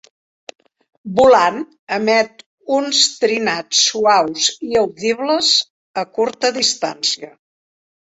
Volant emet uns trinats suaus i audibles a curta distància.